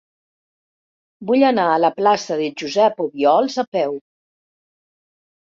Vull anar a la plaça de Josep Obiols a peu.